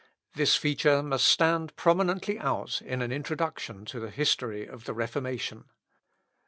This feature must stand prominently out in an introduction to the history of the Reformation.